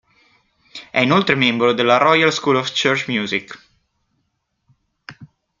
È inoltre membro della Royal School of Church Music.